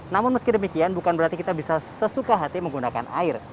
namun meski demikian bukan berarti kita bisa sesuka hati menggunakan air